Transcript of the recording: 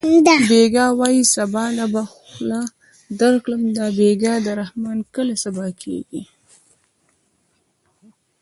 بېګا وایې سبا له به خوله درکړم دا بېګا د رحمان کله سبا کېږي